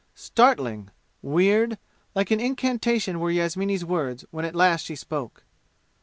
Startling weird like an incantation were Yasmini's words when at last she spoke.